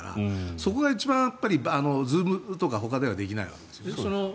そこが一番、Ｚｏｏｍとかほかではできないわけですよね。